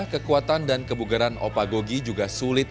kekuatan dan kebugaran opa gogi juga sulit